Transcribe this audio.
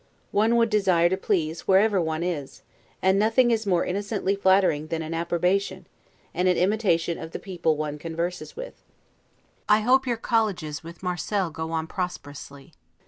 One would desire to please, wherever one is; and nothing is more innocently flattering than an approbation, and an imitation of the people one converses with. I hope your colleges with Marcel go on prosperously.